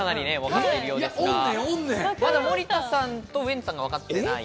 まだ森田さんとウエンツさんがわかっていない。